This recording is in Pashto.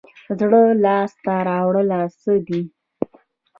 زړه لاس ته راوړل څه دي؟